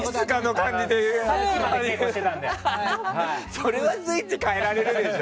それはスイッチ替えられるでしょ。